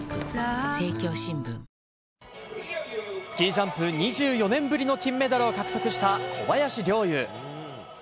スキージャンプ、２４年ぶりの金メダルを獲得した小林陵侑。